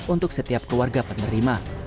untuk setiap keluarga penerima